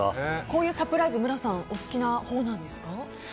こういうサプライズ無良さんはお好きなほうですか？